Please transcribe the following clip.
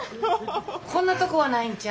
こんなとこはないんちゃう。